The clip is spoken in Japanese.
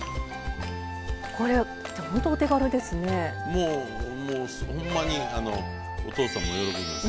もうほんまにお父さんも喜びます。